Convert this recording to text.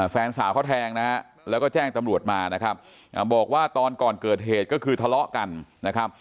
แฟนสาวเขาแทงนะฮะแล้วก็แจ้งตำรวจมานะครับบอกว่าตอนก่อนเกิดเหตุก็คือทะเลาะกันนะครับ